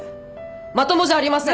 まともじゃありません！